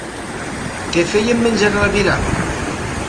Què feien menjar a l'aviram?